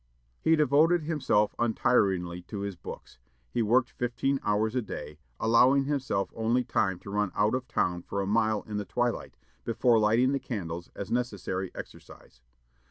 He devoted himself untiringly to his books. He worked fifteen hours a day, allowing himself only time to run out of town for a mile in the twilight, before lighting the candles, as necessary exercise.